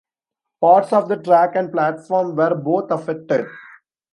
Parts of the track and platform were both affected.